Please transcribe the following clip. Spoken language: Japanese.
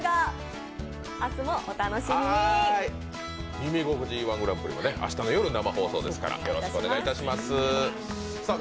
「耳心地いい−１グランプリ」も明日の夜生放送ですから、よろしくお願いいたします。